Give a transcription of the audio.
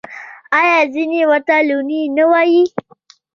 آیا ځینې ورته لوني نه وايي؟